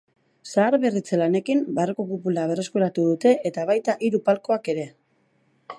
Zaharberritze lanekin barruko kupula berreskuratu dute eta baita hiru palkoak ere.